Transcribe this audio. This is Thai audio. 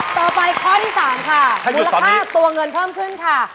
ต่อไปข้อที่๓ค่ะมูลค่าตัวเงินเพิ่มขึ้นค่ะ